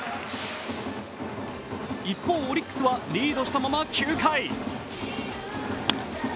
一方、オリックスはリードしたまま９回。